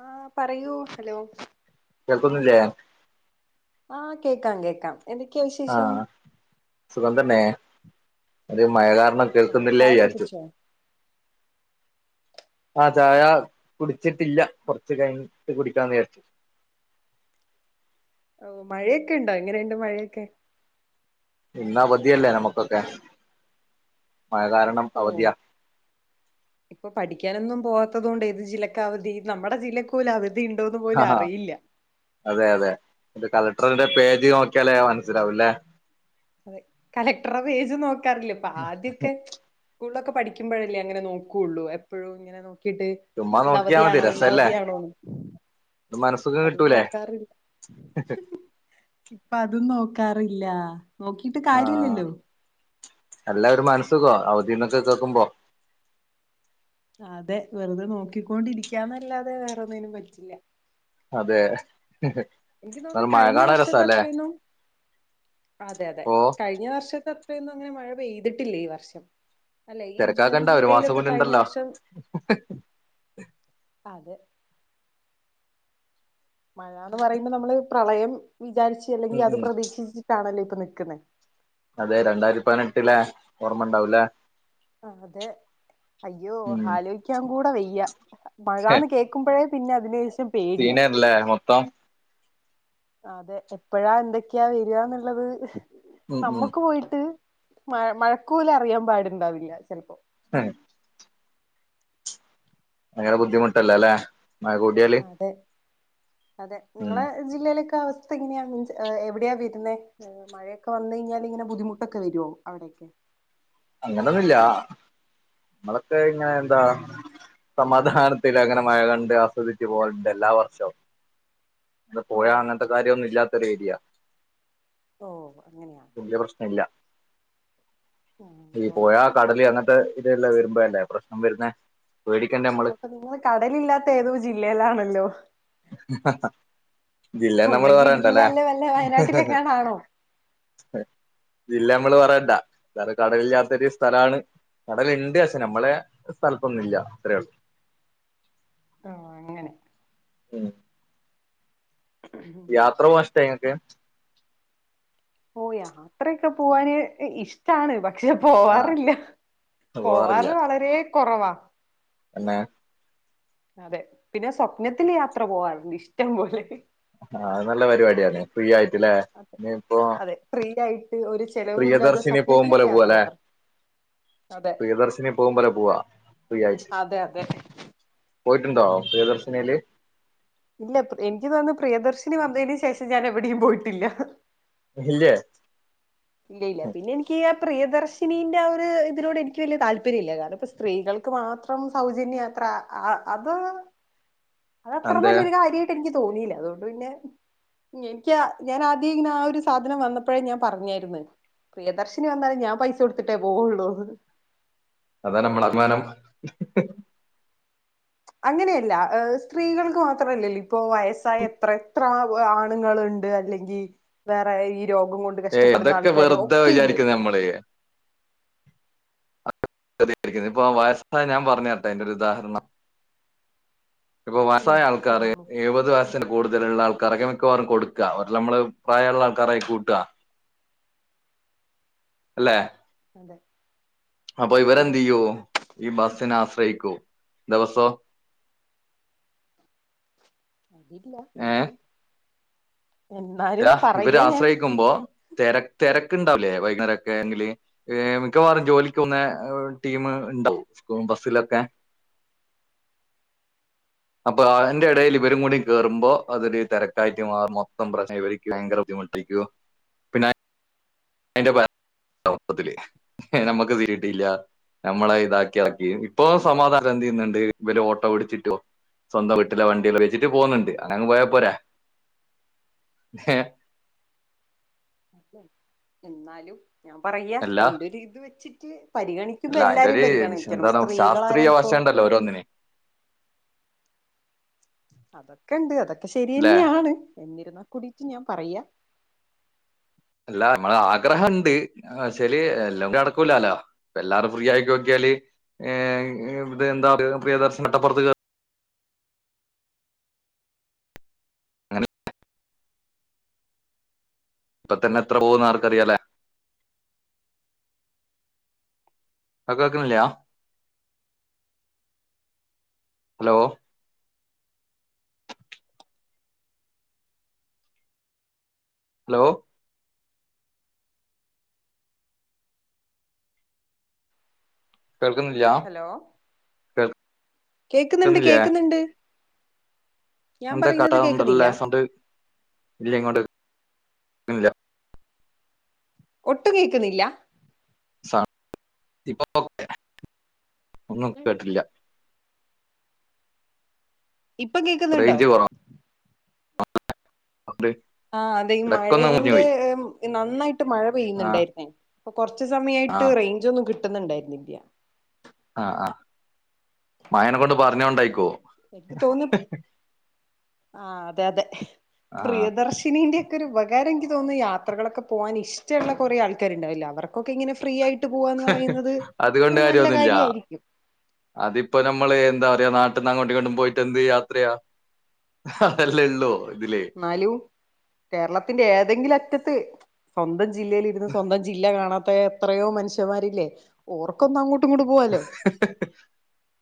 ആ പറയൂ ഹലോ കേക്കുന്നില്ലേ ആഹ കേക്കാം കേക്കാം എന്തൊക്കെയാ വിശേഷം ആഹ് സുഖം തന്നെ അത് മഴ കാരണം ഓ കേൾക്കുന്നില്ലേ വിചാരിച്ചു ഉ ആ ചായ കുടിച്ചിട്ടില്ല കുറച്ച് കഴിഞ്ഞിട്ട് കുടിക്കാന്ന് വിചാരിച്ചു ഓ മഴയൊക്കെ ഉണ്ടോ എങ്ങനെയുണ്ട് മഴയൊക്കെ ഇന്നവതിയല്ലേ നമുക്കൊക്കെ മഴ കാരണം ഓ അവധിയാ ഇപ്പൊ പഠിക്കാനൊന്നും പോവാ ത്തൊണ്ട് ഏത് ജില്ലക്ക് അവധി നമ്മുടെ ജില്ല പോല അവി ആ അതെ അതെ കല അന്റെ പേജ് നോക്കിയാലേ മനസ്സിലാവൂല്ലേ അതെ കളക്ടറ പേജ് നോക്കാറില്ല അപ്പൊ ആദ്യമൊക്കെ സ്കൂളിലൊക്കെ പഠിക്കുമ്പോഴല്ലേ അങ്ങനെ നോക്കുള്ളൂ എപ്പോഴും ഇങ്ങെ നോ കിട്ട് ചുമ്മാ ഇന്ന് നോക്കിയാ അവധിയ മതി ആണോ ഇന്ന രസല്ലേ അവധിയാണോ ഒരു മനസ്സുഖം അതും കിട്ടൂലേ നോക്കാറില്ല ഇപ്പൊ അതും നോക്കാറില്ല നോക്കിട്ട് കാര്യില്ലല്ലോ എല്ലാവരും മന സുഖ അവധിന്നൊക്കെ കേക്കുമ്പോ അതെ വെറുതെ നോക്കിക്കൊണ്ടിരിക്കാന്നല്ലാതെ വേറൊന്നിനും പറ്റില്ല അതെ.. എനിക്ക് എന്നാലും തോന്നുന്നു മഴ കഴിഞ്ഞ കാണാൻ വർഷത്തെ രസാല്ലേ അത്രന്ന. അതെ അതെ ഓ കഴിഞ്ഞ വർഷത്തെ ഇത്രൊന്നും അങ്ങനെ മഴ പെയ്തിട്ടില്ലേ ഈ വർഷം അല്ലെ ഈ ജൂൺ തിരക്കാക്കണ്ട ഒരു മാസം ജൂലൈയിലൊക്കെ കൂടി കഴിഞ്ഞ ഉണ്ടല്ലോ വർഷം അതെ മഴന്ന് പറയുമ്പോ നമ്മള് പ്രളയം വിചാരിച്ച് ഉം അല്ലെങ്കിൽ അത് ഉം പ്രതീക്ഷിച്ചിട്ടാണല്ലോ. നിക്കുന്ന അതെ രണ്ടായിരത്തി പതിനെട്ടിലെ ഓർമ്മ ഉണ്ടാവൂലെ. ആ അതെ അയ്യോ ഉം ആലോചിക്കാൻ കൂടെ വെയ്യ മഴന്ന് കേക്കുമ്പോഴേ. പിന്നെ അതിന് പേടിയാ സീനാർന്ന അല്ല മൊത്തം അതെ എപ്പഴാ എന്തൊക്കെയാ വരിവാന്നുള്ളത് ഉം ഉം നമ്മുക്ക് പോയിട്ട് മ മഴക്കുല അറിയാൻ പാടുണ്ടാവില്ല ചിലപ്പോ ഉം ഭങ്ങര ബുദ്ധിമുട്ടല്ല അല്ലേ മഴ കൂടിയാല് അതെ അതെ ഉം നിങ്ങളെ ജില്ലയില ഒ അവസ്ഥ ഇങ്ങനെയ മീൻസ് എവിടെയാ വരുന്ന മഴയൊക്കെ വു കഴിഞ്ഞാൽ ഇന ബുദ്ധിമുട്ടൊക്കെ വരുമോ അവിടെ ക്കെ [inaudible] അങ്ങനൊന്നുമില്ല നമ്മളൊക്കെ ഇങ്ങനെ എന്താ സമാധാനത്തി അങ്ങനെ മഴ കണ്ട് ആസ്വദിിച്ചു പോലണ്ട് എല്ലാ വർഷവും അടെ ഓ പോയാ അങ്ങനത്തെ അങ്ങനെയാണ് കാര്യംൊന്നും ഇല്ലാത്ത ഒരു ഏരിയ ഓ അങ്ങനെയാ.. ഇല്ല ഈ അതുകൊണ്ട് പോയ പിന്നെ കടല അങ്ങനത്തെ ഇതല്ല വരുമ്പോ അല്ലേ പ്രശ്നം വരുന്നേ പേടിക്കണ്ടേ നമ്മള് അപ്പൊ നിങ്ങൾ കടല ഇില്ലാത്ത ഏതോ ജില്ലയിലാണല്ലോ? ഇതില്ലന്ന് നമ്മള് ഒന്നെങ്കി പറയണ്ടല്ലേ. ഇടുക്കിയിലല്ലേ വല്ല വയനാട്ടിലെങ്ങാണാണോ ഇില്ല നമ്മള് പറയണ്ടാ വേറെ കടലില്ല ചെറിയ സ്ഥലമാണ് കടലുണ്ട് പക്ഷേ നമ്മളെ സ്ഥലത്തൊന്നുംുമല്ല അത്രയേ ഉള്ളൂ ആഹ അങ്ങനെ ഉ ഉം. യാത്ര പോക ഇഷ്ടങ്ങക്ക് ഓ യാത്രയൊക്കെ പോവാാന് ഇഷ്ടാണ്പക്ഷേ പക്ഷെ ആഹ് പോവാറില്ല. പോവാറ് വളരെ കുറവാ അന്നെ അതെ പിന്നെ സ്വപ്നത്തില് യാത്ര പോവാറരുന്നു ഇഷ്ടം പോലെ ആഹ അത് നല്ല പരിപാടിയാണ്േ ഫ്രീ ആയിട്ടില്ലേ ഇന്ന ഇപ്പോൊ. അതെ ഫ്രീ ആയിട്ട് ഒരു ചെലവും ഇല്ലാതെ പ്രിയദര്ശിനി പോകുമ്പോലെ സ്വപ്നത്തിലൊക്കെ പോവ യാത്ര അല്ലെ. പോവാറ് അതെ പ്രിയദർശിനി പോകുമ്പോള പോലെ പോവാ ഫ്രീ യാ ഇട്ട് അയച്ചു അതെ അതെ പോയിട്ടുണ്ടോ പ്രിയദർശിനല്? ഇല്ല എനിക്ക് തോന്നന്ന് പ്രിയദർശിനി വന്നതിന് ശേഷം ഞാൻ എവിടെയും പോയിട്ടില്ല ഇല്ലേ ഇല്ലയില്ല പിന്നെ എനിക്ക് പ്രിയദർശിനീന്റെറെ ആ ഒരു ഇതിനോട് എനിക്ക് വലിയ താല്പര്യം ഇല്ല കാരണം ഇ സ്ത്രീകൾക്ക് മാത്രം സൗജന്യയാത്ര അത് അത്ത്ര അതെ വല്ലരു കാര്യട്ട് എനിക്ക് തോന്നിയില്ല അതുകൊണ്ട് പിന്നെ എനിക്ക് ഞാൻ ആദ്യം ഇങ്ങനെ ആ ഒരു സാധനം വന്നപ്പോഴേ ഞാൻ പറഞ്ഞായിന്ന് പ്രിയദർശിനി വന്നാലും ഞാൻ പൈസ കൊടുത്തിട്ടേ പോവുള്ളൂ അതാ നമ്മളഭിമാനം അങ്ങനെയല്ല സ്ത്രീകൾക്ക് മാത്രല്ലല്ലോ ഇപ്പൊ വയസ്സായ എത്ര എത്ര ആണുങ്ങള്ണ്ട് അല്ലെങ്കിൽ വേറെ ഈ രോഗം കൊണ്ട് ഏയ് കഷ്ടപ്പെടുന്ന അതൊക്കെ ആൾക്കാര് വെറുതെ ഒക്കെ ഇല്ലേ വിചാരിക്കുന്നത് നമ്മള് രിക്കുന്നു ഇപ്പൊ വയസ്സായ ഞാൻ പറഞ്ഞെരട്ടെ അയ്ന്റൊരുദാഹരണം ഇപ്പൊ ഉം വയസായ ആൾക്കാര് പറഞ്ഞോളൂ എഴുപത് വയസിന് കൂട് തല്ള്ളെ ആൾക്കാരൊക്കെ മിക്കവാറും കൊട്ക്ക ഒരെല്ലാം നമ്മള് പ്രായള്ള ആൾക്കാരായി കൂട്ട- അല്ലേ അതെ അപ്പൊ അതെ വെരെന്തെയ്യു ഈ ബസ്സിനെ ആശ്രയിക്കും ദിവസോം അതില്ല എന്നാലും എന്നാലും ആ ഇവര് പറയാ ഞാൻ ആശ്രയിക്കുമ്പോ തെര തെര ക്ക്ണ്ടാവൂലെ വൈകുന്നേര ക്കെങ്കില് മിക്കവാറും ജോലിക്ക് പോക്ന്നെ ടീമ് ണ്ടാവും പ്പം ബസ്സിലൊക്കെ [unintelligible] അപ്പൊ അയ്ന്റെ ഇടേല് അതെ ഇവരും കൂടി കേറുമ്പോ അതൊരു തെരക്കായിട്ട് മാറും മൊത്തം പ്രശ്നം ഇവർക്ക് ഭയങ്കര ബുദ്ധിമുട്ടേക്കും പിന്നെ അയ്ന്റെ [unintelligible] ത്തില് ഞമ്മക്ക് തിരിഞ്ഞിട്ടില്ല നമ്മളെ ഇതാക്കി എറക്കി ഇപ്പൊ സമാധാനം എന്ത് ചെയ്യ്ന്ന്ണ്ട് ഇവര് ഓട്ടോ പിടിച്ചിട്ടോ സ്വന്തം വീട്ടിലെ വണ്ടില്ല വെച്ചിട്ട് പോന്ന്ണ്ട് അങ്ങനെ പോയ പോരെ ഹെ എന്നാലും ഞാൻ പറയാ അല്ല എന്റൊര് ഇത് വെച്ചിട്ട് പരിഗണിക്കുമ്പോ അല്ല അതിന്റെ എല്ലാരേം ഒരു പരിഗണിക്കണം എന്താണ് ശാസ്ത്രീയ സ്ത്രീകളാരായിപ്പോ വശം ഉണ്ടല്ലോ ഓരോന്നിന് അതൊക്കെണ്ട് അതൊക്കെ ശെരി തന്നെയാണ് എന്നിരുന്ന കുടീട്ട് ഞാൻ പറയാ അല്ലാ നമ്മളാഗ്രഹംണ്ട് പക്ഷെ ല് എല്ലാങ്ങൂടി നടക്കൂലല്ലോ എല്ലാരും ഫ്രീ ആടിറ്റോക്ക്യാല് ഏ ഇത് എന്താ പ്രിയദർശനം അട്ടപ്പുറത്ത് കേ അങ്ങനെ ഇപ്പ തന്നെ എത്ര പോകുന്നാർക്കറിയാലേ ആ കേക്കുന്നില്ലാ ഹലോ ഹലോ കേൾക്കുന്നില്ല ഹലോ കേക്ക്ന്ന്ണ്ട് കേൾക്കുന്നില്ലേ കേക്ക്ന്ന്ണ്ട് കേക്കുന്നില്ല [unintelligible] ഒട്ടും കേക്കുന്നില്ല സാർ ഇപ്പൊ [unintelligible] ക്കെ ഒന്നും ഉം കേട്ടില്ല ഇപ്പം കേക്ക്ന്നുണ്ടോ റേഞ്ച് കുറവാ ആ അതെ ഈ ഇടക്കൊന്ന് മുറിഞ്ഞു മഴേന്റെ പോയി നന്നായിട്ട് മഴ ആഹ് പെയ്യുന്നുണ്ടായിരുന്നേ അപ്പൊ കൊറച്ച് സമയ ട്ട് ആഹ് റെയ്ഞ്ചോന്നും കിട്ട്ന്നുണ്ടായിരുന്നില്ല ആ ആ മയേനെക്കൊണ്ട് പറഞ്ഞോണ്ടേക്കും എനിക്ക് തോന്ന് ആ അതെ അതെ ആഹ് പ്രിയദർശിനിന്റെ ക്കൊരു ഉപകാരം ൻക്ക് തോന്ന് യാത്രകളൊക്കെ പോവാൻ ഇഷ്ടള്ള കൊറേ ആൾക്കാരുണ്ടാവില്ലേ അവർക്കൊക്കെങ്ങനെ ഫ്രീയായി അതോണ്ട് കാര്യൊന്നുല്ല കാര്യായിരിക്കും അതിപ്പോ നമ്മള് എന്താ പറയാ നാട്ട ട്ട്ന്ന് അങ്ങോട്ടിങ്ങോട്ടും പോയിട്ട് എന്ത് യാത്രയാ അതല്ലേ ള്ളൂ ന്നാലും കേരളത്തിന്റെ ഏതെങ്കിലും അറ്റത്ത് സ്വന്തം ജില്ലയിലിര്ന്ന് സ്വന്തം ജില്ല കാണാത്ത എത്രയോ മനുഷ്യന്മാരില്ലേ ഓർക്കൊന്നങ്ങോട്ട് [unintelligible]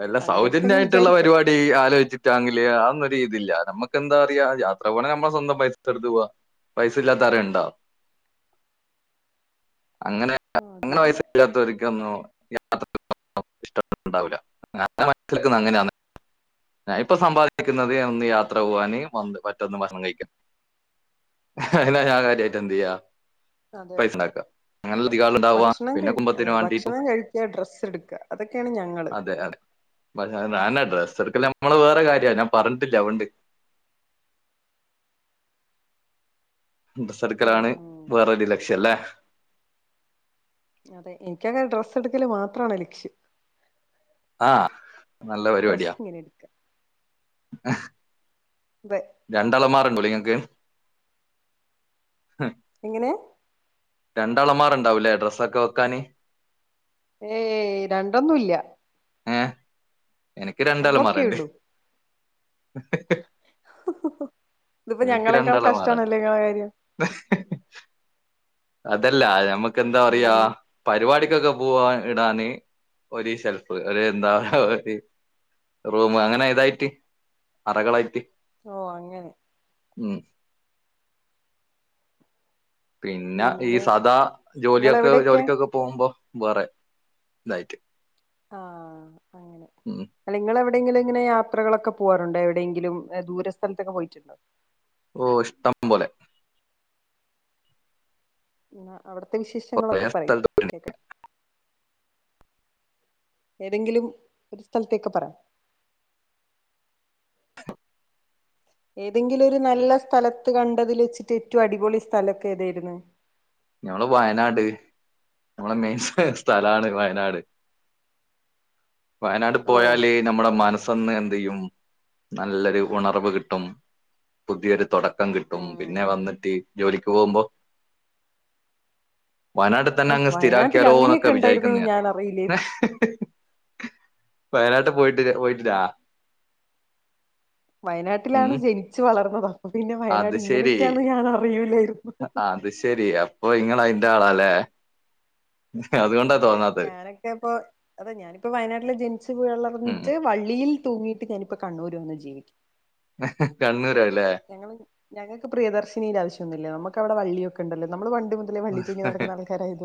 വല്ല അങ്ങനെയൊക്കെ അങ്ങ് സൗജന്യായിട്ട്ള്ള വിചാരിക്കാം പരിവാടി ആലോയ്ച്ചിട്ടാങ്കില് ആന്നൊരു ഈ തില്ല നമ്മക്ക് എന്താറയാ യാത്ര പോണ നമ്മളെ സ്വന്തം പൈസത്ത്ട്ത്ത് ഊവ പൈസ ഇല്ലാത്ത ആരേ ണ്ടാ അങ്ങനെ ആ, അങ്ങനെ അതില്ല പൈസല്ലാത്തോർക്കന്നു യാത്ര [inaudible] ഇഷ്ടപെട്ടിട്ടുണ്ടാവൂല ആ അന്ന മറ്റുള്ളോർക്കും അങ്ങനെയാന്ന് ഞാ ഇപ്പൊ സമ്പാദിക്കുന്നത് ഒന്ന് യാത്ര പോവാന് പന്ത് മറ്റൊന്ന് ഭക്ഷണം കഴിക്ക [unintelligible] ഞാൻ കാര്യയിട്ട് എന്തെയ്യാ അതെ പൈസണ്ടാക്കാ അങ്ങനെല്ലെധികാളുണ്ടവാ ഭക്ഷണം പിന്നെ കഴി അതെ കുംഭത്തിന് വേണ്ടിട്ടും ഭക്ഷണം കഴിക്ക ഡ്രസ്സ് എടുക്ക അതൊക്കെയാണ് ഞങ്ങള് അതെ അതെ [unintelligible] ഡ്രസ് ചെറുക്കല്ല നമ്മള് വേറെ കാര്യമാണ് ഞാൻ പറഞ്ഞിട്ടില്ലേ അവണ്ട് [unintelligible] സർക്കലാണ് ഉം വേറൊരു ലക്ഷ്യംല്ലേ അതെ എനിക്കങ്ങനെ ഡ്രസ്സ് എടുക്കല് മാത്രാണ് ലക്ഷ്യം ആഹ് ഡ്രസ് ഇങ്ങനെടുക്കാ ആഹ് അതെ രണ്ടളമാറണ്ടോ ഇങ്ങക്ക് ഹ് എങ്ങനെ രണ്ട് അളമാറണ്ടാവൂലേ ഡ്രസ്സൊക്കെ വെക്കാന് ഏയ് രണ്ടൊന്നൂല്ല ആഹ് എനിക്ക് രണ്ടലമാറണ്ട് ഒന്നൊക്കെയുള്ളൂ ഹ്ഹ്ഹ് [unintelligible] ഇതിപ്പോ ഞങ്ങളെക്കാൾ രണ്ടലമാറുണ്ട് കഷ്ടണല്ലൊ ങ്ങളെ കാര്യം അതല്ല നമുക്ക് എന്താ പറയാ ഉം പരിപാടി ക്കെ പോകാൻ ഇടാന് ഒരു സെൽഫ് ഒരു എന്താ [unintelligible] പറ റൂമ് അങ്ങനെ ഇതായിട്ട് അറകളായിട്ട് ഓ അങ്ങനെ ഉം പിന്നെ ഈ സാദാ ജോലിയൊക്കെ ഇങ്ങളെവിടെയൊക്കെ ജോലിക്കൊക്കെ പോകുമ്പോ വേറെ ഇതായിട്ട് ആഹ് അങ്ങനെ ഉം നിങ്ങൾ എവി എവിടെയെങ്കിലും ഇങ്ങനെ യാത്രകളൊക്കെ പോവാറുണ്ടോ എവിടെയങ്കിലും ദൂര സ്ഥലത്തൊക്കെ പോയിട്ടുണ്ടോ ഓ ഇഷ്ടം പോലെ എന്നാ അവിടത്തെ കൊറേ വിശേഷങ്ങളൊക്കെ പറയ് സ്ഥലത്ത് പോയിട്ടുണ്ട്. കേക്കട്ടെ ഏതെങ്കിലും ഒരു സ്ഥലത്തേക്ക് പറ ഏതെങ്കിലു ഒരു നല്ല സ്ഥലത്ത് കണ്ടതില് വെച്ചിട്ട് ഏറ്റവും അടിപൊളി സ്ഥലൊക്കെ ഏതേര്ന്ന് ഞങ്ങള് വയനാട് നമ്മളെ മെയിൻ സ്ഥലാണ് വയനാട് വയനാട് ഓ പോയാല് ഞമ്മടെ മനസ്സൊന്ന് ന്തെയും നല്ലൊരു ഉണർവ് കിട്ടും പുതിയൊരു തൊട ക്കം കിട്ടും പിന്നെ ഉം വന്നിട്ട് ജോലിക്ക് പോവുമ്പോ ഒ വയനാട്ടില് സ്ഥിരാക്കിയാലോ എന്നൊക്കെ അങ്ങനെയൊക്കെ വിചാരിക്കുന്നു ഉണ്ടായിരുന്നുന്ന് ഞാൻ ഞാനാറിയില്ലേന്നു വയനാട്ട് പോയിട്ടില്ല പോയിട്ടില്ലാ വയനാട്ടിലാണ് ജനിച്ചു വളർന്നത് അപ്പൊ പിന്നെ അത് വയനാട് ശരി ഇങ്ങനെയൊക്കെയാന്ന് ഞാൻ അറിയുലാരുന്നു അത് ശെരി അപ്പൊ ഇങ്ങള് അയിന്റെ ആളാല്ലേ അതുകൊണ്ടാ അതെ തോന്നാത്തത് ഞാനൊക്കെ ഇപ്പൊ അതെ ഞാനിപ്പോ വയനാട്ടില് ജനിച്ചു ഉം വളർന്നിട്ട് വളളിയിൽ തൂങ്ങിട്ട് ഞാനിപ്പോ കണ്ണൂര് വന്ന് ജീവിക്കും ഹ ഹ കണ്ണൂർ ആരു ഞങ്ങളും ഞങ്ങൾക്ക് പ്രിയദർശിനിയുടെ ആവശ്യാന്നുല്ല നമ്മുക്കവിടെ വളളിയൊക്കെ ഉണ്ടല്ലോ നമ്മള് വണ്ട മുതലേ വള്ളി തൂങ്ങി നടക്കുന്ന ആൾക്കാരായത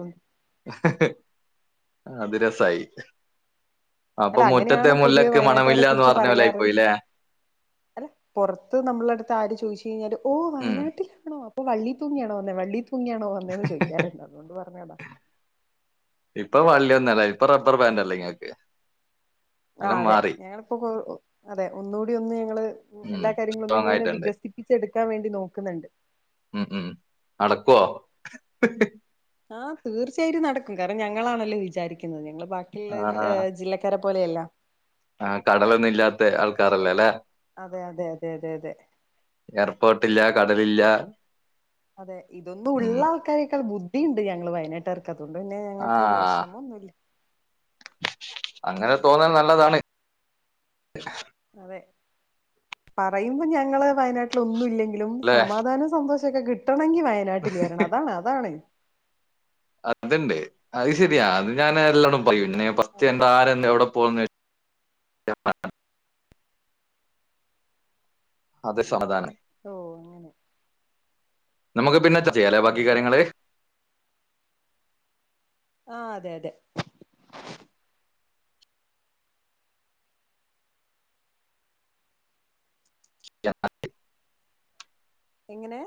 അത് രസായി അപ്പൊ അല്ല മുറ്റത്തെ അങ്ങനെയാണ് പൊതുവെ മുല്ലക്ക് വയനാട്ടുകാരെ മണമില്ല എന്ന് കുറിച്ച് പറഞ്ഞ പോലെ പറയാറ് ആയിപ്പോയില്ലേ അല്ല പൊർത്ത് നമ്മളെടുത്ത് ആര് ചോദിച്ചയ്ഞ്ഞാലും ഓ ഉം വയനാട്ടിൽ ണോ ഇപ്പൊ വള്ളി തൂങ്ങിയാണോ വന്നേ വള്ളി തൂങ്ങിയാണോ വന്നേന്ന് ചോദിക്കും അത് എന്താണ് അതുകൊണ്ട് പറഞ്ഞതാ ഇപ്പൊ വള്ളിയൊന്നും അല്ല ഇപ്പൊ റബ്ബർ ബാൻഡ് അല്ലേ ഇങ്ങക്ക് ആ എല്ലാം അതെ മാറി ഞങ്ങളിപ്പോ കൊ അതെ ഒന്നുകൂടി ഒന്ന് ഞങ്ങള് ഉം എല്ലാ കാര്യങ്ങളും ഒന്നും സ്ട്രോങ് ഇങ്ങനെ ആയിട്ടുണ്ട് വികസി പ്പിച്ചെടുക്കാൻ വേണ്ടി നോക്കുന്നുണ്ട് ഉം ഉം നടക്കുവോ ആ തീർച്ചയായിട്ടും നടക്കും കാരണം ഞങ്ങളാണല്ലോ വിചാരിക്കുന്നത് ഞങ്ങള് ബാക്കിയുള്ള ആ ജില്ലക്കാരെ പോലെയല്ല ആ കടലൊന്നും ഇല്ലാത്ത ആൾക്കാരല്ലേ അല്ലെ അതെ അതെ അതെ അതെ അതെ എയർപോർട്ടില്ല കടലില്ല അതെ ഇതൊന്നും ഉം ഉള്ള ആൾക്കാരെക്കാൾ ബുദ്ധിയുണ്ട് ഞങ്ങള് വയനാട്ടുകാർ ക്ക് അതുകൊണ്ട് പിന്നെ ആ ഞങ്ങൾക്ക് വേഷമൊന്നുല്ലാ അങ്ങനെ തോന്നാൽ നല്ലതാണ് അല്ല അതെ പറയുമ്പോ ഞങ്ങള് വയനാട്ടിൽ ഒന്നും ഇല്ലെങ്കിലും അല്ലെ സമാധാനം സന്തോഷം ഒക്കെ കിട്ടണമെങ്കി വയനാട്ടിൽ വരണം അതാണ് അതാണ് അതുണ്ട് അത് ശരിയാ അത് ഞാൻ നല്ലോണം പറയും പിന്നെ ഫസ്റ്റ് അതെ ചെന്നാലന്നെ എവടെ പോന്ന് [unintelligible] അത് സമാധാനം ഓ അങ്ങനെ നമുക്ക് പിന്നെ ചെയ്യാലേ ആ ബാക്കി അതെ കാര്യങ്ങള് ആഹ് അതെ അതെ ശരി എന്നാലേ എങ്ങനെ